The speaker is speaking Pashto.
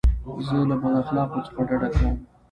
زه له بد اخلاقو څخه ډډه کوم.